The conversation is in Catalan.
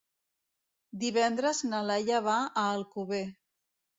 Divendres na Laia va a Alcover.